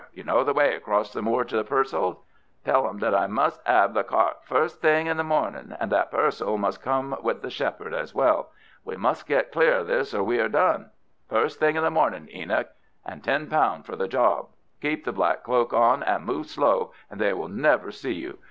You know the way across the moor to the Purcells'. Tell them that I must 'ave the cart first thing in the mornin', and that Purcell must come with the shepherd as well. We must get clear of this or we are done. First thing in the mornin', Enoch, and ten pound for the job. Keep the black cloak on and move slow, and they will never see you.